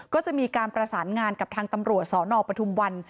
ก็จะมีการประสานงานกับทางตำรวจสนปทุมวัน